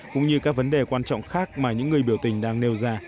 cũng như các vấn đề quan trọng khác mà những người biểu tình đang nêu ra